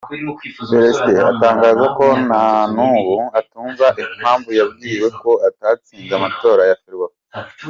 Félicité atangaza ko nanubu atumva impamvu yabwiwe ko atatsinze amatora ya Ferwafa